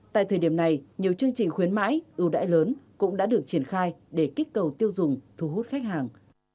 tại thời điểm này nhiều chương trình khuyến mãi ưu đãi lớn cũng đã được triển khai để kích cầu tiêu dùng thu hút khách hàng